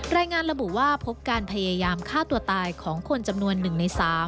รายงานระบุว่าพบการพยายามฆ่าตัวตายของคนจำนวน๑ใน๓